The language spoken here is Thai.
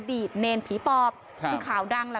อดีตเณรผีปอบครับ